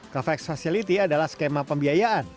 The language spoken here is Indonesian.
covax facility adalah skema pembiayaan